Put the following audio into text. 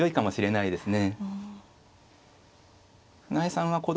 長いですね。